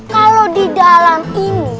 kalau di dalam ini